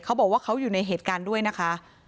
เขาบอกว่าเขาอยู่ในเหตุการณ์ด้วยนะคะ